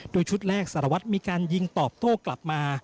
โดยชุดแรกสารวัตรมีการยิงตอบโต้กลับมา